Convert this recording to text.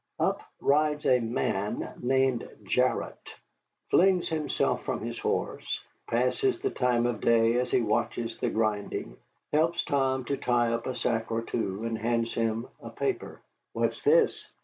Up rides a man named Jarrott, flings himself from his horse, passes the time of day as he watches the grinding, helps Tom to tie up a sack or two, and hands him a paper. "What's this?"